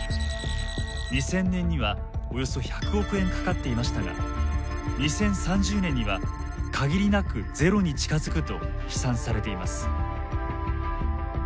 ２０００年にはおよそ１００億円かかっていましたが２０３０年には限りなくゼロに近づくと試算されています。